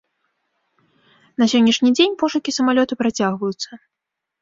На сённяшні дзень пошукі самалёта працягваюцца.